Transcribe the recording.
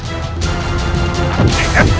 apakah yemeknya kamu